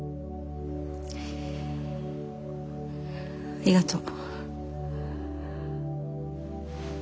ありがとう。